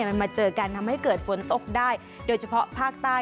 มันมาเจอกันทำให้เกิดฝนตกได้โดยเฉพาะภาคใต้